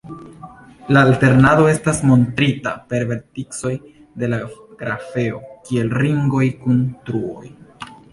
La alternado estas montrita per verticoj de la grafeo kiel ringoj kun truoj.